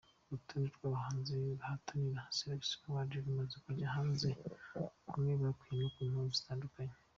Urutonde rw’abahanzi bahatanira Salax Awards rumaze kujya hanze bamwe bikuyemo ku mpamvu zitandukanye.